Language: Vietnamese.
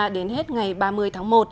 hai mươi ba đến hết ngày ba mươi tháng một